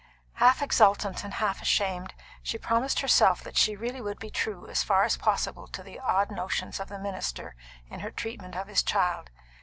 Half exultant and half ashamed, she promised herself that she really would be true as far as possible to the odd notions of the minister in her treatment of his child.